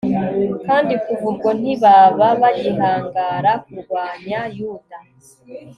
kandi kuva ubwo ntibaba bagihangara kurwanya yuda